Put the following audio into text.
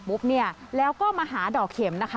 ไหว้พระเศษปุ๊บเนี่ยแล้วก็มาหาดอกเข็มนะคะ